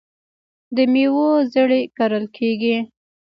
د میوو زړې کرل کیږي.